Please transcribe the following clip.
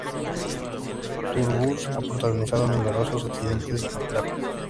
Tur Bus ha protagonizado numerosos accidentes de tráfico.